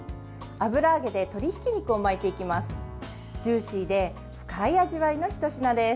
油揚げで鶏ひき肉を巻いていきます。